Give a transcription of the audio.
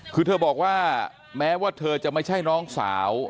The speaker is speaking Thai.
คือเธอบอกว่าแม้ว่าเธอจะไม่ใช่น้องสาว